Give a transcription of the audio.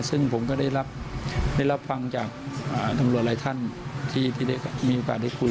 ซึ่งผมก็ได้รับฟังจากตำรวจหลายท่านที่ได้มีโอกาสได้คุย